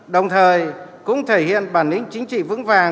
đồng thời cũng thể hiện bản lĩnh chính trị vững vàng